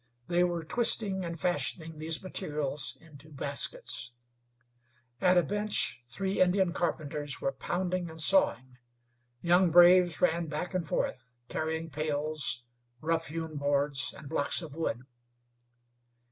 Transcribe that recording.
They were twisting and fashioning these materials into baskets. At a bench three Indian carpenters were pounding and sawing. Young braves ran back and forth, carrying pails, rough hewn boards and blocks of wood.